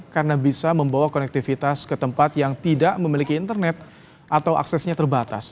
karena bisa membawa konektivitas ke tempat yang tidak memiliki internet atau aksesnya terbatas